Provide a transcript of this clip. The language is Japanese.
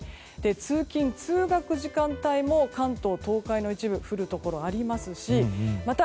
通勤・通学時間帯も関東・東海の一部で降るところがありますしまた